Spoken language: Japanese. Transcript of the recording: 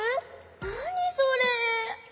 なにそれ？